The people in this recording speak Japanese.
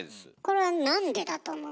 これはなんでだと思う？